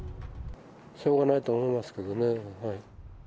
しょうがないと思いますけどね。